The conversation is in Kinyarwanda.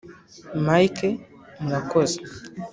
mike: murakoze.